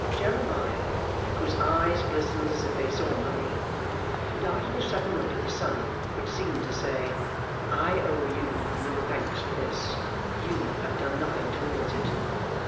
Jeremiah, whose eyes glistened as if they saw money, darted a sudden look at the son, which seemed to say, 'I owe you no thanks for this; you have done nothing towards it!